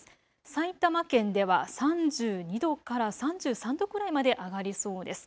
埼玉県では３２度から３３度くらいまで上がりそうです。